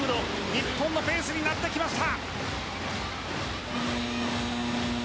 日本のペースになってきました。